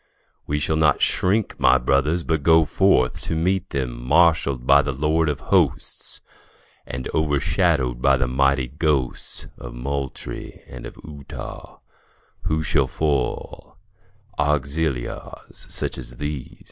We shall not shrink, my brothers, but go forth To meet them, marshalled by the Lord of Hosts, And overshadowed by the mighty ghosts Of Moultrie and of Eutaw who shall foil Auxiliars such as these?